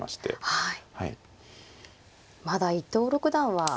はい。